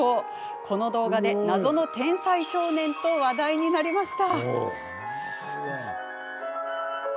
この動画で、謎の天才少年と話題になりました。